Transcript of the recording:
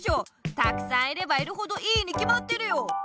たくさんいればいるほどいいにきまってるよ！